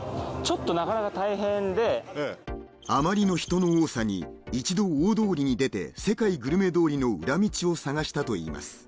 あまりの人の多さに一度大通りに出て世界グルメ通りの裏道を探したといいます